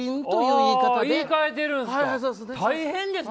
言い換えてるんですか。